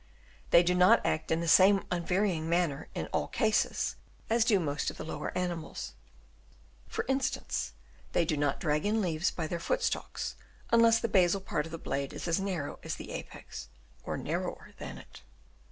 They do not act in the same unvarying manner in all cases, as do most of the lower animals ; for instance, they do not drag in leaves by their 316 CONCLUSION. Chap. VII. foot stalks, unless the basal part of the blade is as narrow as the apex, or narrower than it.